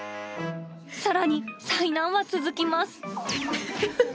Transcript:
さらに災難は続きます。